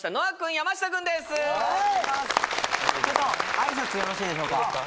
あいさつよろしいでしょうか？